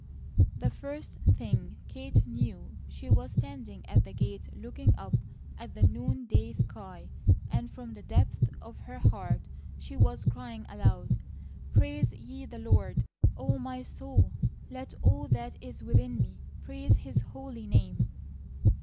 The first thing Kate knew she was standing at the gate looking up at the noonday sky and from the depths of her heart she was crying aloud: "Praise ye the Lord, Oh my soul. Let all that is within me praise His holy name!"